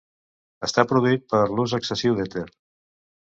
Estat produït per l'ús excessiu d'èter.